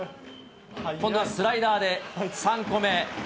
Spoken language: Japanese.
今度はスライダーで３個目。